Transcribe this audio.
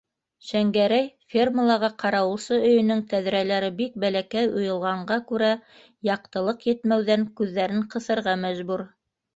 Шәңгәрәй, фермалағы ҡарауылсы өйөнөң тәҙрәләре бик бәләкәй уйылғанға күрә, яҡтылыҡ етмәүҙән күҙҙәрен ҡыҫырға мәжбүр.